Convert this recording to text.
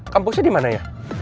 kampusnya dimana ya